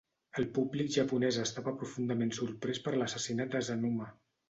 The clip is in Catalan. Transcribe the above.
El públic japonès estava profundament sorprès per l'assassinat d'Asanuma.